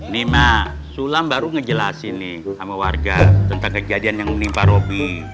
nih mak sulam baru ngejelasin nih sama warga tentang kejadian yang menimpa robi